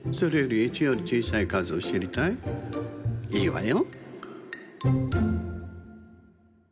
いいわよ。